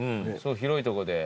広いとこで。